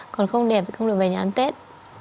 còn không đẹp thì không được về nhà ăn tết